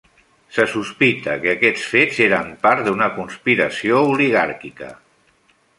Se sospita que aquests fets eren part d'una conspiració oligàrquica.